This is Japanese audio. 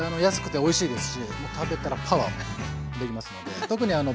安くておいしいですし食べたらパワーもできますので。